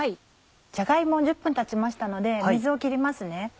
じゃが芋１０分たちましたので水を切りますね。